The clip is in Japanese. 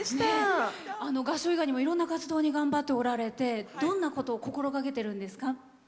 合唱以外にもいろんな活動頑張ってこられてどんなことを心がけているんですか？